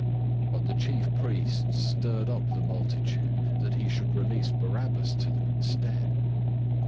015:011 But the chief priests stirred up the multitude, that he should release Barabbas to them instead.